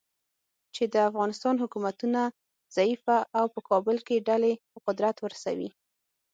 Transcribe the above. چې د افغانستان حکومتونه ضعیفه او په کابل کې ډلې په قدرت ورسوي.